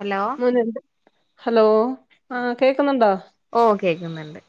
Hello hello ആഹ് കേക്കുന്നുണ്ടോ? ഓഹ്, കേക്കുന്നുണ്ട്.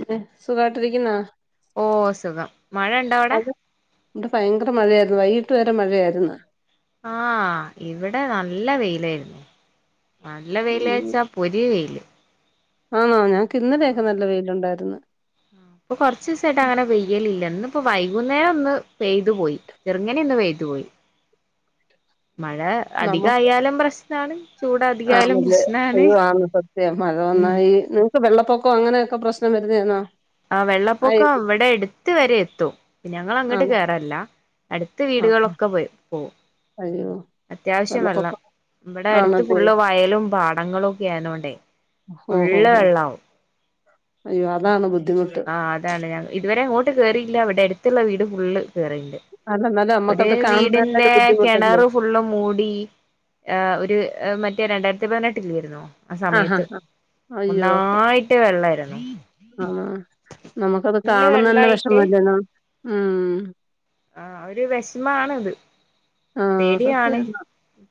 ഏഹ്. ഓഹ് സുഖം, മഴണ്ടോ അവടെ? ഇവടെ ഭയങ്കര മഴയായിരുന്നു, വൈകിട്ട് വരെ മഴയായിരുന്ന്. ആഹ് ഇവടെ നല്ല വെയിലായിരുന്നു. നല്ല വെയിൽ ഉം വച്ചാ പൊരി വെയില്. ആണോ ഞങ്ങക്ക് ഇന്നലെയൊക്കെ ആഹ് നല്ല വെയിലുണ്ടായിരുന്ന്. ആഹ് ഇപ്പൊ കൊർസായിട്ട് അങ്ങനെ പെയ്യലില്ല ഇന്ന് ഇപ്പ വൈകുന്നേരം ഒന്ന് പെയ്തു പോയി. ചെറുങ്ങനെ ഒന്ന് പെയ്തു പോയി മഴ അധികയാലും പ്രശ്നാണ്. ചൂട് അധികായാലും ആണല്ലെ പ്രശ്നാണ് അയ്യോ ആന്ന് സത്യം മഴ ഉം ഒന്നായി വെള്ളപോക്കം അങ്ങനെയൊക്കെ പ്രശ്നം വരുന്നേ ആന്നോ? ആഹ് വെള്ളപ്പൊക്കം വടെ എടുത്ത് വരെ എത്തും. ഞങ്ങൾ അങ്ങോട്ട് ആണോ കേറല്ല അടുത്ത ആഹ് ആഹ് വീടുകളൊക്കെ പോയി പോവും അയ്യോ അത്യാവശ്യം വെള്ളം വെള്ളപ്പൊക്കം ഇവിടെ അടുത്ത് ആണല്ലേ ഫുള്ള് വയലും പാടങ്ങളും ഒക്കെ ആയിരുന്നോണ്ടേ ഓഹോ ഹോ ഫുള്ള് ഹോ. വെള്ളാവും അയ്യോ അതാണ് ബുദ്ധിമുട്ട് ആഹ് അതാണ് ഞാൻ ഇതുവരെ ഇങ്ങോട്ട് കേറിയിട്ടില്ല ഇവിടെ അടുത്തുള്ള വീട് ഫുള്ള് കേറിയിട്ട്ണ്ട് അല്ല എന്നാലും ഒരു നമ്മക്കത് കാണുന്നതന്നെ ഒരു വീടിന്റെ ബുദ്ധിമുട്ടല്ലേ കിണറ് ഫുള്ള് മൂടി ആഹ് ഒരു മറ്റേ രണ്ടായിരത്തി പതിനെട്ട് ഇല്ലെരുന്നോ? ആ ആഹ് സമയത്ത് ആഹ് നന്നായിട്ട് വെള്ളമായിരുന്നു. ആഹ് നമുക്കത് കാണന്ന് തന്നെ വെള്ളായിട്ട് വിഷമല്ലേന്ന് ആഹ് ഒരു വിഷമാണ ഇത് ആഹ് സത്യാണ്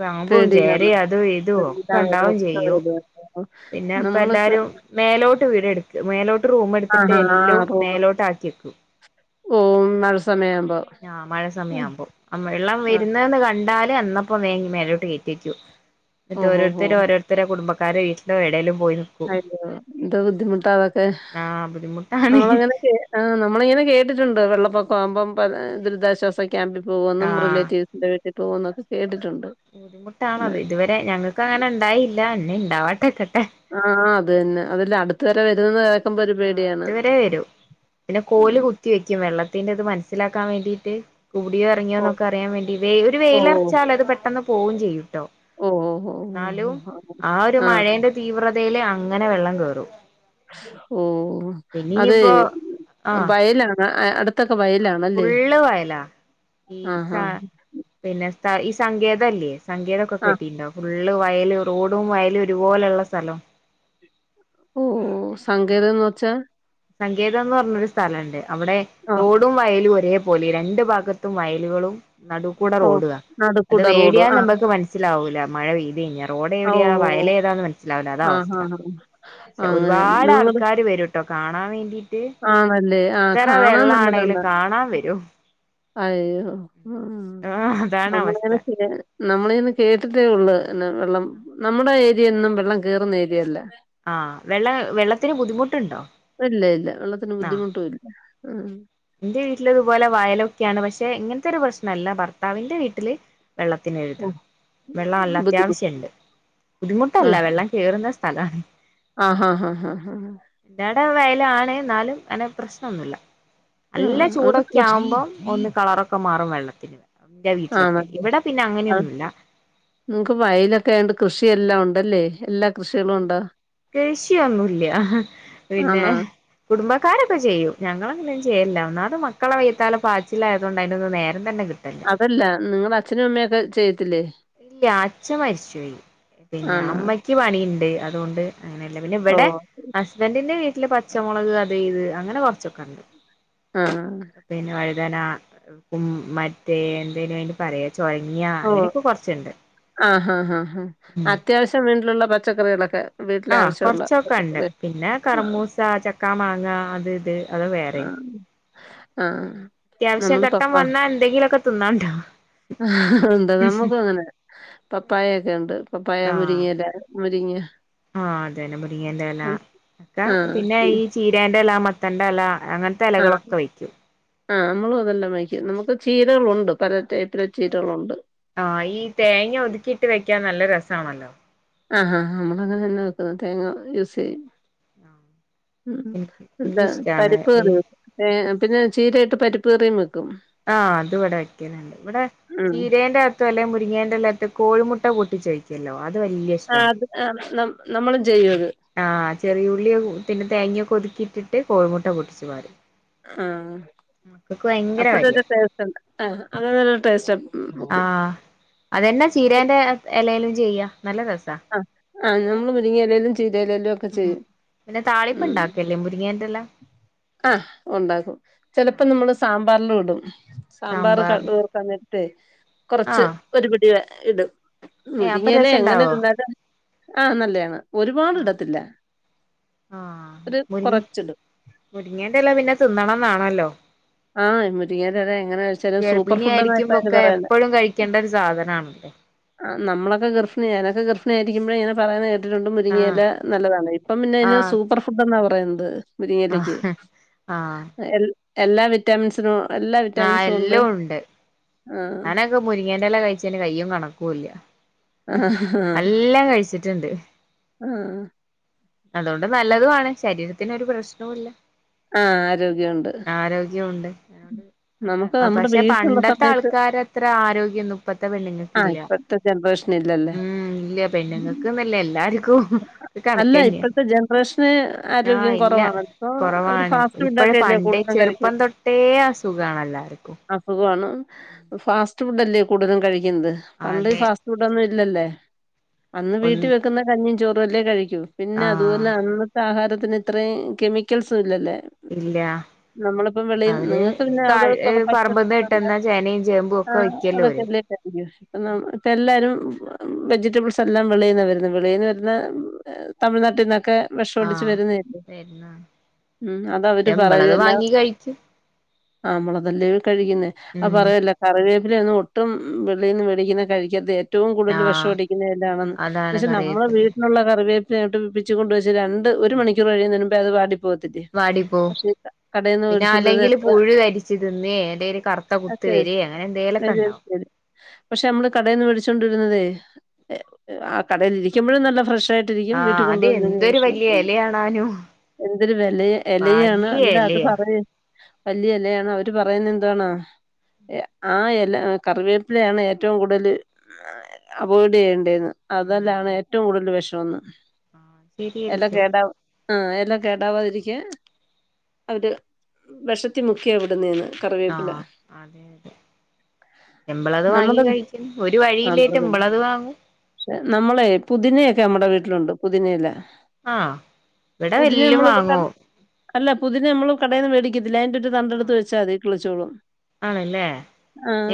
പാമ്പും, പേടിയാണ് ചേരയും അതും ഇതും എല്ലാ ഒക്കെ വരും ഉണ്ടാവും ഒക്കെ ചെയ്യൂ വരുവല്ലോ പിന്നെ ഇപ്പ നമ്മളൊക്കെ എല്ലാരും മേലോട്ട് വീട് എടുക്ക മേലോട്ട് റൂം എടുത്തിട്ട് ആഹ് എല്ലാം മേലോട്ട് ആക്കി വക്കും. ഓ മഴ സമയാവുമ്പോ ആ മഴ സമയം ആവുമ്പോ വെള്ളം ആഹ് വരുന്നെന്ന് കണ്ടാല് അ- അപ്പൊ മേലോട്ട് കയറ്റി വെക്കും മറ്റേ ഓഹ് ഓഹ് ഓരോരുത്തര് ഓഹ് ഓരോരുത്തരുടെ കുടുംബക്കാർ വീട്ടിലോ എവിടേലും പോയി നിക്കു അയ്യോ എന്താ ബുദ്ധിമുട്ട അതൊക്കെ ആ ബുദ്ധിമുട്ടാണ് നമ്മൾങ്ങനെയൊക്കെ ആഹ് നമ്മളിങ്ങനെ കേിട്ടുണ്ട് വെള്ളപ്പൊക്ക ആവുമ്പം ദുരിതാശ്വാസ ക്യാമ്പിൽ ആ പോകുമെന്നും റിലേറ്റീവ്സിന്റെ വീട്ടിൽ പോകുന്നൊക്കെ കേട്ടിട്ടുണ്ട്. പിന്നെ ബുദ്ധിമുട്ടാണത് ഇതുവരെ ഞങ്ങൾക്ക് അങ്ങനെ ഉണ്ടായില്ല എന്നന്നെ ഉണ്ടാവാട്ടെക്കട്ടെ ആഹ് അത് തന്നെ അതല്ല അടുത്ത വരെ വരുമെന്ന് അടുത്ത് വരെ വരൂ പിന്നെ ഉം കോല് കുത്തി വെക്കും വെള്ളത്തിന്റെ അത് മനസ്സിലാക്കാൻ വേണ്ടീട്ട് കൂടിയോ ഓഹ് ഇറങ്ങിയോന്നൊക്കെ അറിയാൻ വേണ്ടി ഒരു ഓഹ് വെയിലറച്ചാൽ അത് പെട്ടെന്ന് പോകും ചെയ്യൂട്ടോ ഓഹ് ഓഹ് ഓഹ് എന്നാലും ഓഹ് ആ ഒരു ആഹ് മഴന്റെ തീവ്രതയില് അങ്ങനെ വെള്ളം കേറും. ഓ പിന്നെ അതെ ഇനിയിപ്പോ ആഹ് വയലാണ് അടുത്തൊക്കെ വയലാണ് ഫുള്ള് വയലാ ഈ ആഹ് സ ആഹ് പിന്നെ സ് ഈ സങ്കേതംമല്ലേ സങ്കേതമൊക്കെ ആഹ് കെട്ടിട്ടുണ്ടാവും. ഫുള്ള് വയല് റോഡും വയലും ഒരുപോലെയുള്ള സ്ഥലം. ഓ ആഹ് സങ്കേതം എന്ന് വച്ചാ സങ്കേതം എന്ന് പറഞ്ഞരു സ്ഥലം ഉണ്ട് അവിടെ റോ ആഹ് ഡും വയലും ഒരേ പോലെ രണ്ടു ഭാഗത്തും വയലുകളും നടുക്കൂട ഓഹ് റോഡവാ അത് നടുക്കുടെ റോഡ് വേടിയാന്ന് ആഹ് നമ്മക്ക് മനസ്സിലാവൂല്ല മഴ പെയ്തി കഴിഞ്ഞാൽ റോഡ് എവിടെയാ ഓഹ് വയല ഏതാന്ന് മനസ്സിലാവില്ല അത ആഹ് അവസ്ഥ ആഹ് ആഹ് പക്ഷെ അങ്ങനെയാണ് ഒരുപാട് നിങ്ങള് ആൾക്കാര് വരും കാണാൻ വേണ്ടിയിട്ട് ആണല്ലേ ആഹ് കാണാൻ നല്ലത്ണ്ടാ കാണാൻ വരും അയ്യോ ആഹ് അതാണ് അവസ്ഥ നമ്മൾനെ നമ്മളീന്ന് കേട്ടിട്ടേ ഒള്ളു എന്നന്നെ വെള്ളം നമ്മുടെ ഏരിയെന്നും വെള്ളം കേറുന്ന ഏരിയല്ല ആഹ് വെള്ള വെള്ളത്തിന് ബുദ്ധിമുട്ട്ണ്ടോ? ഇല്ല ഇല്ല വെള്ളത്തിന് ബുദ്ധിമുട്ടും ഇല്ല ഇന്റെ വീട്ട്ലിതുപോലെ വയലൊക്കെയാണ് പക്ഷെ ഇങ്ങൻത്തൊരു പ്രശ്നംല്ല ഭർത്താവിന്റെ വീട്ടില് വെള്ളത്തിനെഴുതാ ഓഹ് വെള്ളംല്ല ബുദ്ധിമുട്ട് അത്യാവശ്യണ്ട് ബുദ്ധിമുട്ട് അല്ല ആഹ് വെള്ളം കേറുന്ന സ്ഥല. ആഹ് ഹാ ഹാ ഹാ എന്റെട വയല് ആണ് എന്നാലും അങ്ങനെ പ്രശ്നൊന്നുല്ല. ആഹ് നല്ല അവിടെ ചൂടൊക്കെ കൃഷി ആകുമ്പം ഒന്ന് കളറൊക്കെ മാറും വെള്ളത്തിന്. എന്റെ വീട്ട്ലൊക്കെ ആണല്ലേ ഇവിടെ പിന്നെ അത് അങ്ങനെയൊന്നുല്ല നിങ്ങക്ക് വയലൊക്കെ ആയണ്ട് കൃഷിയെല്ലാം ഉണ്ടല്ലേ എല്ലാ കൃഷികളും ഉണ്ടോ കൃഷിയൊന്നൂല്യ പിന്നെ ആണോ കുടുംബക്കാരൊക്കെ ചെയ്യും ഞങ്ങളങ്ങനെന്നും ചെയ്യേല്ല ഒന്നാമത് മക്കളെ വയ്ത്താല പാച്ചിലായതോണ്ട യ്നൊന്നും നേരംതന്നെ കിട്ടലി അല്ല നിങ്ങടെ അച്ഛനും അമ്മയുംക്കെ ചെയ്യത്തില്ലേ? ഇല്ല്യ അച്ഛ മരിച്ചോയി പിന്നെ ആണോ അമ്മയ്ക്ക് പണിയുണ്ട് അതുകൊണ്ട് അങ്ങനെയല്ല പിന്നെ ഇവടെ ഓഹ് ഹസ്ബന്റിന്റെ വീട്ടില് പച്ചമുളക് അത് ഇത് അങ്ങനെ കൊറച്ചൊക്കെണ്ട് ആഹ് പിന്നെ വഴുതന ഉം മറ്റേ എന്തേയ്നു അയ്നു പറയാ ചൊരങ്ങ്യാ അങ്ങനെ ഓഹ് ആഹ് ഹാ ഹാ ഹാ ഉം അത്യാവശ്യം വീട്ടിലുള്ള പച്ചക്കറികളൊക്കെ വീട്ടിലെ ആഹ് ആവശ്യമുള്ള കൊറച്ചൊക്കെണ്ട് പച്ചക്കറി പിന്നെ ആഹ് കർമൂസ ചക്ക മാങ്ങ അത് ഇത് അത് വേറിം ആഹ് ആഹ് നമ്മള് അത്യാവശ്യഘട്ടം പപ്പാ വന്നാ എന്തെങ്കിലൊക്കെ തിന്നാം അണ്ട ആഹ് ഉണ്ട് നമ്മക്കുംങ്ങനെ പപ്പായെക്കെ ഉണ്ട് പപ്പായ ആഹ് മുരിങ്ങയില മുരിങ്ങ ആഹ് അതന്നെ മുരിങ്ങേന്റെല ഒക്കെ പിന്നെ ആഹ് ഈ ചീരേന്റെല മത്തന്റെല അങ്ങനെ ആഹ് ത്തെലകളൊക്കെ വെയ്ക്കും ആഹ് നമ്മളും അതെല്ലാം വെയ്ക്ക്യും നമുക്ക് ചീരകളുണ്ട് പല ടൈപ്പില് ചീരകളുണ്ട് ആഹ് ഈ തേങ്ങ ഒതുക്കിയിട്ട് വെക്കാൻ നല്ല രസാണല്ലോ ആഹ് ഹാ ഹാ നമ്മളങ്ങനെന്നെ വെക്കുന്നത് തേങ്ങ യൂസെയ്യും ഉം എനിക്ക് എന്താ എനിക്കിഷ്ടാണ് ഈ പരുപ്പകറിയും ഏഹ് പിന്നെ ചീരയിട്ട് പരിപ്പ് കറിയും വെക്കും ആഹ് അത് ഇവടെ വെക്കലിണ്ട് ഇവടെ ഉം ചീരേന്റെ തലേം മുരിങ്ങേന്റെലൊക്കെ കോഴിമുട്ട പൊട്ടിച്ചോയിക്കല്ലോ അത് വല്യ ഇഷ്ടാ ആഹ് അത് ആഹ് നം നമ്മളും ചെയ്യൂത് ആഹ് ചെറിയുള്ളിയും പിന്നെ തേങ്ങ്‌യൊക്കെ ഒതുക്കിയിട്ടിട്ട് കോഴിമുട്ട പൊട്ടിച്ചു പാരും ആഹ് മക്കൾക്ക് ഭയങ്കര അപ്പഴത്തെരു കാര്യാ ടേസ്റ്റ് ഉണ്ട് ആഹ് അത് നല്ല ടേസ്റ്റ് ആഹ് അതന്നെ ചീരേന്റെ എലേലും ചെയ്യാം നല്ല രസ അഹ് അഹ് നമ്മൾ മുരുങ്ങയിലെലും ചീരയിലെലുവൊക്കെ ഉം ചെയ്യും പിന്നെ ഉം താളിപ്പ്ണ്ടാക്കേല്ലേ മുരിങ്ങേന്റെല ആഹ് ഉണ്ടാക്കും ചിലപ്പോ ആഹ് നമ്മള് സാമ്പാർലും ഇടും സാമ്പാർ സാമ്പാറിൽ കടു‌വർ സമയത്തെ കൊറച്ച് ആഹ് ഒരു പിടി ഇടും ഏഹ് അപ്പൊ മുരിങ്ങേല എങ്ങനെ രസണ്ടാവോ തിന്നാലും ആഹ് നല്ലയാണ് ഒരുപാട് ആഹ് ഇടത്തില്ല ആഹ് ഒരു മുരിങ്ങ കൊറച്ചിടും മുരിങ്ങേന്റെല പിന്നെ തിന്നണംന്നാണല്ലോ ആഹ് മുരിങ്ങയിലയില എങ്ങനെ വെച്ചാലും സൂപ്പർ ഗർഭിണി ഫുഡ് എന്നായിപ്പ അതിന് ആയിരിക്കുമ്പൊക്കെ പറയുന്നെ. എപ്പഴും കഴിക്കേണ്ട ഒരു സാധനാണ് ആഹ് നമ്മളൊക്കെ ഗർഭിണി ഞാനൊക്കെ ഗർഭിണി ആയിരിക്കുമ്പോഴിങ്ങനെ പറയിന്ന കേക്കാം കൊണ്ടും ആഹ് മുരിങ്ങിയെല നല്ലതാണ് ഇപ്പം പിന്നെ അയിനെ ആഹ് സൂപ്പർ ഫുഡെന്നാ പറയുന്നത് മുരിങ്ങയിലക്ക് ആഹ് ആഹ് എല്ലാ വിറ്റാമിൻസിനും എല്ലാ ആഹ് വിറ്റാമിൻസും ഉണ്ട് എല്ലോം ആഹ് ഞാനൊക്കെ മുരിങ്ങേന്റെല കഴിച്ചേന് കയ്യും കണക്കൂല്ല ആഹ് നല്ലം കഴിച്ചി ട്ടുണ്ട് ആഹ് അതുകൊണ്ട് നല്ലതുമാണ് ശരീരത്തിനൊരു ഒരു പ്രശ്നവുല്ല ആഹ് ആരോഗ്യമുണ്ട്. ആരോഗ്യമുണ്ട് അതോണ്ട് നമുക്ക് നമ്മുടെ പക്ഷെ വീട്ടിലുള്ള പണ്ടത്തെ ആൾക്കാ സമയത്ത് ക്കാരെ അത്ര ആരോഗ്യൊന്നും ഇപ്പത്തെ പെണ്ണുങ്ങക്ക് ആഹ് ഇല്ല ഇപ്പഴത്തെ ജനറേഷൻ ഇല്ലല്ലേ. ഉം ഇല്ല പെണ്ണുങ്ങക്ക് ന്നല്ല എല്ലാരുക്കും അല്ല കണക്കന്നെയാ ഇപ്പഴത്തെ ജനറേഷന് ഞാ ആരോഗ്യം ഇല്ല കുറവാണ്. ഇപ്പൊ അവര് കുറവാണ് ഫാസ്റ്റ് ഇപ്പഴ് ഫുഡൊക്കെ അല്ലേ പണ്ടേ കൂടുതലും കഴിക്കുന്നത്. ചെറുപ്പംതൊട്ടേ അസുഖാണെല്ലാർക്കും അസുഖവാണ് ഫാസ്റ്റ് ഫുഡ് അല്ലേ കൂടുതലും കഴിക്കുന്നത് പണ്ട് അതെ ഫാസ്റ്റ് ഫുഡൊന്നും ഇല്ലല്ലോ അന്ന് വീട്ടി ഒന്ന് വെക്കുന്ന കഞ്ഞിയും ചോറും അല്ലേ കഴിക്കൂ പിന്നെ ആഹ് അതുപോലെ അന്നത്തെ ആഹാരത്തിന് ഇത്രയും കെമിക്കൽസും ഇല്ലല്ലോ ഇല്ല അവര് നിങ്ങൾക്ക് പിന്നെ കാ അവിടെ എ കുറെ പറമ്പിന്ന് പച്ചക്കറികളുണ്ട് കിട്ടുന്ന ചേനയും ചേമ്പും ഒക്കെ വയ്ക്കൂല്ലോ അവര് ഇപ്പൊ എല്ലാരും വെജിറ്റബിൾസ് എല്ലാം വെളിയിന്നാ വരുന്നെ വെളിയിന്ന് വരു തേ തമിഴ്നാട്ടിന്നൊക്കെ വെഷടിച്ചു ആഹ് വരുന്നേ വരുന്ന ഉം അത അവര് ശമ്പളത് പറയുവല്ലോ വാങ്ങി കഴിക്കും ആ മ്മളതല്ലേ കഴിക്കുന്നേ അപ്പ ഉം പറയുവല്ലോ കറിവേപ്പിലയൊന്നും ട്ടും വെളീന്ന് മേടിക്കുന്ന കഴിക്കത്ത ഏറ്റവും കൂടുതൽ വിഷം ആഹ് അടിക്കുന്ന ഇലാണെന്ന് അതാണ് പക്ഷെ നമ്മള് കറിവേപ്പില വീട് ള്ള കറിവേപ്പ്ലയായിട്ടും പിച്ചി കൊണ്ട് വെച്ച് രണ്ട് ഒരു മണിക്കൂറ് കഴിയുന്നേനുമ്പേ അത് വാടിപ്പോ പോത്തിട്ടീ വാടിപ്പോ പക്ഷേ ഈ ക കടേന്ന് പിന്നെ മേടിച്ചോണ്ടിരുന്ന അല്ലെങ്കിൽ എത്ര പുഴു കരിച്ച് തിന്നേ എന്തേലും കറുത്ത കുത്ത് അതെയതെ വരേ അങ്ങനെ എന്തേലൊക്കെ അതരി ഉണ്ടാവും തരും പക്ഷെ നമ്മള് കടേന്ന് മേടിച്ചൊണ്ടിരുന്നതേ എ ആ കടെലിരിക്കുമ്പോഴും നല്ല ഫ്രഷ് ആയി ട്ടിരിക്കും വീട്ടിൽ ആഹ് അത് കൊണ്ടുവന്നു എന്തൊരു കഴിഞ്ഞാ വലിയ [unintelligible] ഇലയാണാനും എന്തൊരു വെലെ എലയാണ് വലിയ ഇന്നലെ അത് ഇലയാ പറയ വല്ല്യയ എല്ലയാണ് അവര് പറയുന്നത് എന്താണോ യാ ആ എല കറിവേപ്പിലെയാണ് ഏറ്റവും കൂടുതല് അവോയ്ഡ് ചെയ്യേണ്ടെന്ന് ഉം അതല്ലാണ് ഉം ഏറ്റവും കൂടുതല് വിഷന്ന് ആഹ് എല ശരിയായിരിക്കും കേടാവും ആ എല്ലാം കേടാവാതിരിക്കൻ അവര് വെഷത്തി മുക്കിയ ഇവിടുന്നെന്ന് ആഹ് അതെ അതെ എമ്പളത് വാങ്ങി നമ്മുടെ കഴിക്കും ഒരു വഴിയില്ലേറ്റ് മ്മളത് വാങ്ങും ക്ഷേ നമ്മളെ പുതിനനൊയെക്കെ നമ്മടെ വീട്ടിലുണ്ട് പുതിന ഇല ആഹ് ഇവിടെ എല്ലാം വാങ്ങു അല്ല പുതിന നമ്മള് കടെന്ന് മേടിക്കത്തില്ലേ അയിന്റെ ഒരു തണ്ടെടുത്ത് വെച്ചാൽ മതി ക് ളിച്ചോളും ആണ്ല്ലേ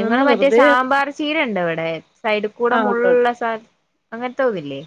ഇങ്ങള് മറ്റെ സാമ്പാർ ചീര ണ്ടോ അവിടെ സൈഡ് കൂടെ ആഹ് ഉണ്ട് മുൾള്ള സാനം അങ്ങനത്തെ ഒവ്‌ല്ലെ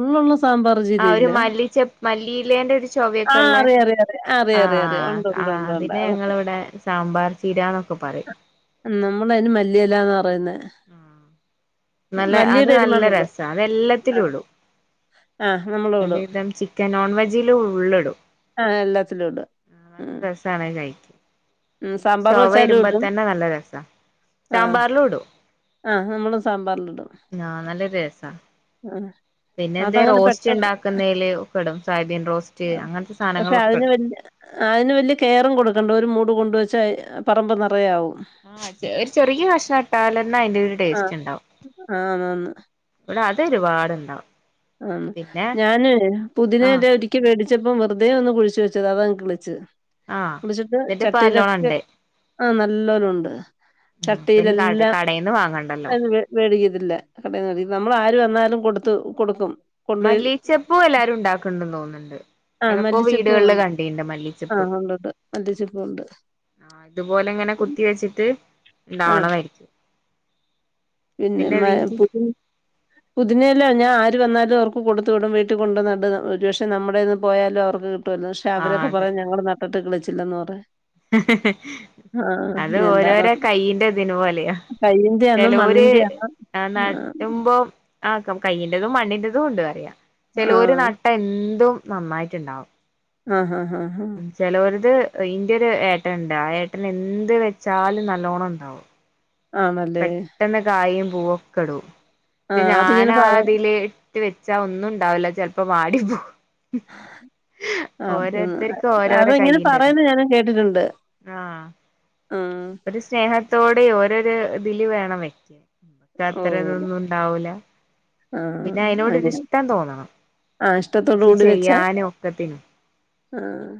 മുള്ളുള്ള സാമ്പാർ ആ ഒരു ചീരയില്ല മല്ലിച്ചെപ്പ് മല്ലിയിലേന്റെ ഒരു ചൊവൊക്കെ ആഹ് ള്ളേ അറിയാം അറിയാം അറിയാം അറിയാം അറിയാം അറിയാം ആഹ് ഉണ്ട് ആ ഉണ്ട് ഉണ്ട് അതിനെ ഉണ്ട് ഞങ്ങളിവിടെ സാമ്പാർ ചീരന്നൊക്കെ പറയും നമ്മളയിന് മല്ലിയല്ലാന്ന് പറയുന്നേ മല്ലിയുടെ ഒരു മണല്ലേ ഞാനെല്ലത്തിലുടും ആഹ് നമ്മു അല്ലെങ്കി തൻ ചിക്കൻ നോൺ വെജിൽ ഉള്ളിടും ആഹ് എല്ലാത്തിലുടും ആ നല്ല രസാണ് അത് കഴിക്കാ ഉം എന്റെ ഒരു സാമ്പാർ ചോവ വെച്ചാലും വരുമ്പോ ഇടും തന്നെ നല്ല രസാ ആഹ് സാമ്പാർലുടും ആഹ് നമ്മളും ആഹ് നല്ല രസാ അഹ് പിന്നെ എന്തെ റോസ്റ്റ് ണ്ടാക്കുന്നെ ലോക്കെടും സോയബീൻ റോസ്റ്റ് ആഹ് അങ്ങനത്തെ പക്ഷെ സാധനങ്ങളിലൊക്കെ അതിന് ഇടും വല്യ അയിന് വല്യ കെയറും കൊടുക്കണ്ട ഒരു മൂട് കൊണ്ടുവച്ചാ പറമ്പ് നെറയെ ആവും ആഹ് ചെ ഒരു ചെറിയ ഭഷണം ഇട്ടൽന്നെ അതിന്റെ ഒരു ആഹ് ടേസ്റ്റ് ണ്ടാവും ആന്നാന്ന് ഇവിടെ അതെരുപാടുണ്ടാവും അം ഞാനേ പുതിനയില ആഹ് ഒരി ക്ക് മേടിച്ചപ്പോ വെറുതെ ഒന്ന് കുഴിച്ചു വെച്ചത് അതങ്ങ് കളിച്ച് ആഹ് കളിച്ചിട്ട് എന്നിട്ടിപ്പ നല്ലോണം ചട്ടിയിലൊക്കെ ഉണ്ട് ആഹ് നല്ലോരുണ്ട് അപ്പൊ ഇനി കട ചട്ടിയിലെല്ലാം കടയിൽന്ന് വാങ്ങണ്ടല്ലോ അതിൻ്റെ മേടിക്കത്തില്ല കടേന്ന് മേടിക്കും നമ്മള് ആര് വന്നാലും കൊടുത്ത് കൊടുക്കും കൊണ്ടുപോയി മല്ലീച്ചെപ്പും എല്ലാരും ഉണ്ടാക്കുന്നുണ്ടന്ന് തോന്നുന്നുണ്ട് ആഹ് എതക്കോ മല്ലിച്ചെപ്പും വീടുകളില് ഉണ്ട് കണ്ടീണ്ട് മല്ലിച്ചെപ്പ് ആഹ് ഉണ്ട് ഉണ്ട് മല്ലിച്ചെപ്പും ഉണ്ട് ആ ഇതുപോലെ ഇങ്ങനെ കുത്തി വെച്ചിട്ട് ആഹ് ഇണ്ടാവണതായിരിക്കും പിന്നെ മ പുതിന പുതയില ഞാൻ ആര് വന്നാലും അവർക്ക് കൊടുത്തു വിടും വീട്ടിൽ കൊണ്ടുനട് ഒരു പക്ഷേ നമ്മടെന്ന് പോയാലും അവർക്ക് കൊടുക്കും ട്ടു വരുന്നേ പക്ഷേ ആഹ് അവരൊക്കെ അതെ പറയുന്നേ ഞങ്ങള് നട്ടിട്ട് കളിച്ചില്ലന്ന് പറയും അത് ആഹ് എന്താണോ ഓരോരോ എന്തോ കൈയിന്റെ ഇതിന് പോലെയാ കയ്യിന്റെയാന്നോ ചില ഒരു മണ്ണിന്റെയാ ആ നട്ടുമ്പം ആഹ് കയ്യിൻ്റെതും മണ്ണിൻ്റെതും ഉണ്ട് പറയാ ചിലൊരു ആഹ് നട്ട എന്തും നന്നായിട്ടുണ്ടാവും ആഹാ ആഹാ ഹാ ചെലോര്ത് ഇൻ്റൊര് ഏട്ടൻണ്ട്. ആ ഏട്ടന് എന്ത് വെച്ചാലും നല്ലോണ്ണം ഉണ്ടാവും. ആണല്ലെ പെട്ടെന്ന് കായും പൂവൊക്കെടൂ ആഹ് അതിങ്ങനെ ഞാനാ പ തില് റ്റ് വെച്ചാ ഒന്നും ഉണ്ടാവില്ല ചെലപ്പം വാടി പോകും. ഓരോരുത്തർക്കും ആഹ് അത് ഓരോരോ ഇങ്ങനെ കൈയിന്റെതാ പറയുന്നെ ഞാനും കേട്ടിട്ടുണ്ട് ആഹ് ഉം ഒരു സ്നേഹത്തോടെ ഓരൊരു ഇതില് വേണം വ്യക്കാൻ ക്കത്ര ഓഹ് ഇതൊന്നും ഇണ്ടാവൂല. ആഹ് പിന്നെ അയ്നോടൊര് അങ്ങനെ ഇഷ്ടം തോന്നണം. ആഹ് ഇഷ്ടത്തോടു കൃഷി കൂടി വെച്ചാ ചെയ്യാനും ഒക്കെത്തിനും. ആഹ്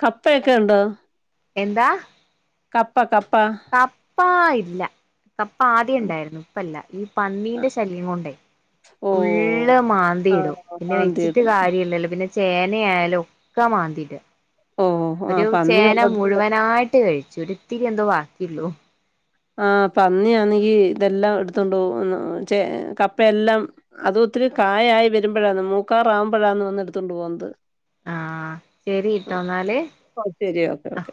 കപ്പയൊക്കെ ഉണ്ടോ എന്താ കപ്പ കപ്പ കപ്പ ഇല്ല. കപ്പ ആദ്യം ഇണ്ടായിരുന്നു ഇപ്പയില്ല ഈ പന്നീന്റെ ശല്യം കൊണ്ടേ ഓഹ് ഉള്ള് മാന്തി ഇടും ആഹ് പിന്നെ വെച്ചിട്ട് മാന്തിയിടും കാര്യല്ലല്ലോ. പിന്നെ ചേനയായാലും ഒക്കെ മാന്തിടാ ഓഹ് ഒരു ആഹ് പന്നി ചേന ഉള്ളത് മുഴുവനായിട്ട് കഴിച്ചു ഒരിത്തിരി എന്തോ ബാക്കിള്ളൂ ആഹ് പന്നിയാന്നെങ്കി ഇതെല്ലാം എടുത്തോണ്ട്പോവും ചെ കപ്പയെല്ലാം അത് ഒത്തിരി കായായി വരുമ്പോഴാന്ന് മൂക്കാറാകുമ്പഴാന്ന് വന്ന് എടുത്തൊണ്ട് പോകുന്നത്. ആഹ് ശരിട്ടൊന്നാല് ഓഹ് ശെരി ഓക്കെ ഓക്കെ